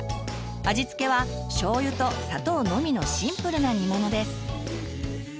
味付けはしょうゆと砂糖のみのシンプルな煮物です。